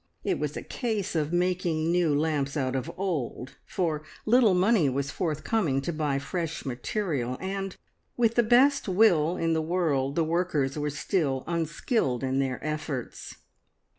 It was a case of making new lamps out of old, for little money was forthcoming to buy fresh material, and, with the best will in the world, the workers were still unskilled in their efforts.